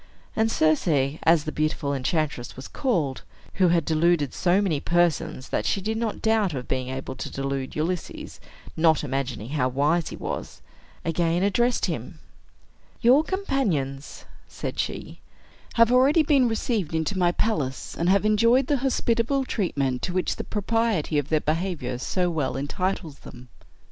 And Circe, as the beautiful enchantress was called (who had deluded so many persons that she did not doubt of being able to delude Ulysses, not imagining how wise he was), again addressed him: "Your companions," said she, "have already been received into my palace, and have enjoyed the hospitable treatment to which the propriety of their behavior so well entitles them.